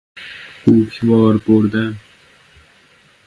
غوک وار بردن